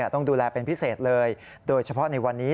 ต้องดูแลเป็นพิเศษเลยโดยเฉพาะในวันนี้